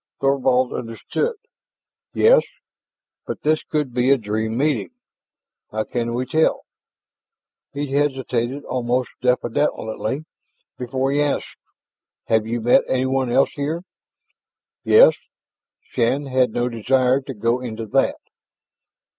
Thorvald understood. "Yes, but this could be a dream meeting. How can we tell?" He hesitated, almost diffidently, before he asked: "Have you met anyone else here?" "Yes." Shann had no desire to go into that.